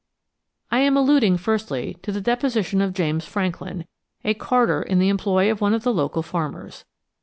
I am alluding, firstly, to the deposition of James Franklin, a carter in the employ of one of the local farmers.